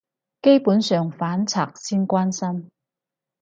基本上反賊先關心